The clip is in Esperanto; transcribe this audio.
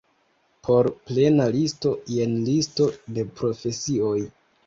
Por plena listo, jen Listo de profesioj.